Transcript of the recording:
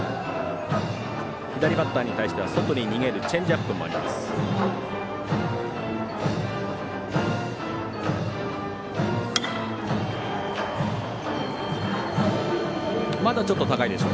左バッターに対しては外に逃げるチェンジアップもあります。